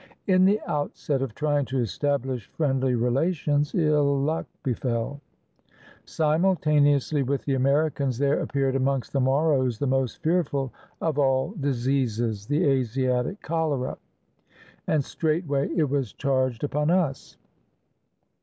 In the outset of trying to establish friendly relations, ill luck befell. Simultaneously with the Americans there appeared amongst the Moros the most fearful of all dis eases, the Asiatic cholera, and straightway it was charged upon us.